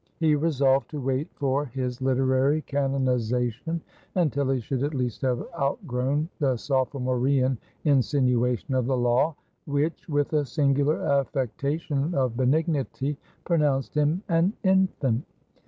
He resolved to wait for his literary canonization until he should at least have outgrown the sophomorean insinuation of the Law; which, with a singular affectation of benignity, pronounced him an "infant."